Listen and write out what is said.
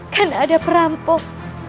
karena ada perampok